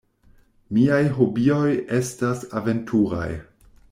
Miaj hobioj estas aventuraj.